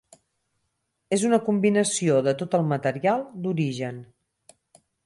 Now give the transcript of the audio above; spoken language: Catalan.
És una combinació de tot el material d'origen.